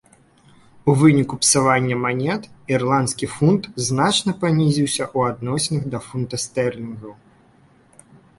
У выніку псавання манет ірландскі фунт значна панізіўся ў адносінах да фунта стэрлінгаў.